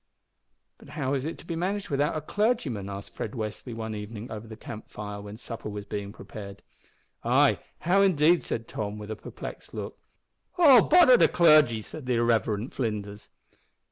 "But how is it to be managed without a clergyman?" asked Fred Westly one evening over the camp fire when supper was being prepared. "Ay, how indeed?" said Tom, with a perplexed look. "Oh, bother the clergy!" cried the irreverent Flinders.